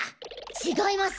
違います！